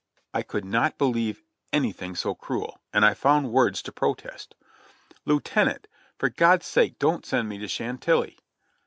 I could not beHeve anything so cruel, and I found words to protest. "Lieutenant, for God's sake don't send me to Chantilly!"